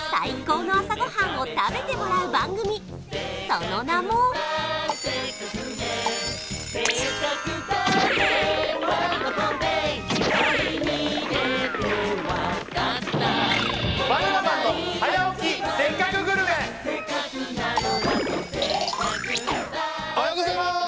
その名もおはようございます！